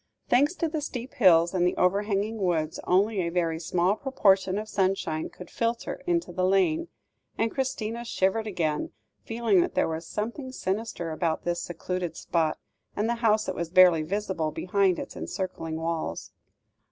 Thanks to the steep hills and the overhanging woods, only a very small proportion of sunshine could filter into the lane, and Christina shivered again, feeling that there was something sinister about this secluded spot, and the house that was barely visible behind its encircling walls.